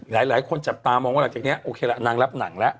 หลายคนจับตามองว่าหลังจากนี้โอเคละนางรับหนังแล้ว